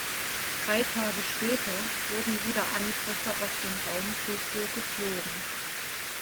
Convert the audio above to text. Drei Tage später wurden wieder Angriffe auf den Raum Tokio geflogen.